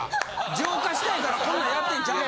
浄化したいからこんなんやってんちゃうん？